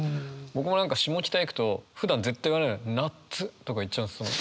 僕も何か下北行くとふだん絶対言わないのに「なっつ」とか言っちゃうんですよ。